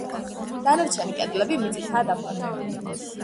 დანარჩენი კედლები მიწითაა დაფარული.